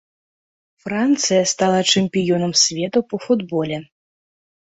Францыя стала чэмпіёнам свету па футболе.